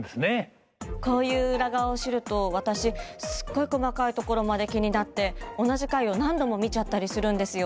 こういう裏側を知ると私すごい細かいところまで気になって同じ回を何度も見ちゃったりするんですよ。